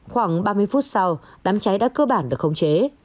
khoảng ba mươi phút sau đám cháy đã cơ bản được khống chế